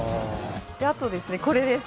あと、これです。